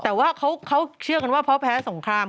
แต่ว่าเขาเชื่อกันว่าเพราะแพ้สงคราม